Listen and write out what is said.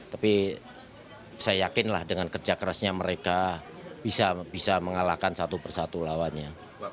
tapi saya yakinlah dengan kerja kerasnya mereka bisa mengalahkan satu persatu lawannya